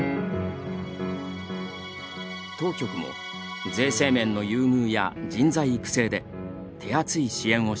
当局も税制面の優遇や人材育成で手厚い支援をしてきました。